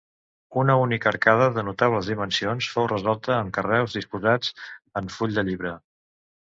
Una única arcada de notables dimensions fou resolta amb carreus disposats en full de llibre.